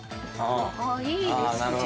いいですね。